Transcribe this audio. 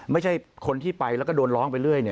ไม่ใช่คนที่ไปแล้วก็โดนร้องไปเรื่อย